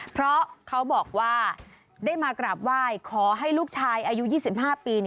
เพราะเขาบอกว่าได้มากราบไหว้ขอให้ลูกชายอายุ๒๕ปี